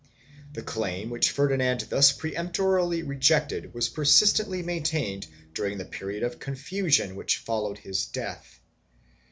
1 The claim which Ferdinand thus peremptorily rejected was persistently main tained during the period of confusion which followed his death.